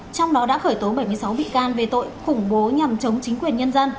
trong đó đã khởi tố bảy mươi sáu bị can về tội khủng bố nhằm chống chính quyền nhân dân